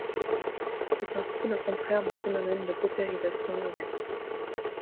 C'est ainsi le contraire du phénomène de paupérisation urbaine.